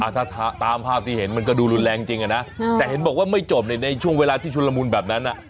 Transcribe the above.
ถ้าตามภาพที่เห็นมันก็ดูรุนแรงจริงนะแต่เห็นบอกว่าไม่จบในช่วงเวลาที่ชุนละมุนแบบนั้น